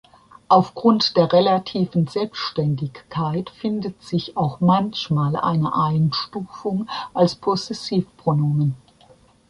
Aufgrund der relativen Selbständigkeit findet sich auch manchmal eine Einstufung als Possessivpronomen.